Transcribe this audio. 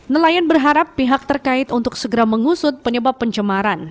nelayan berharap pihak terkait untuk segera mengusut penyebab pencemaran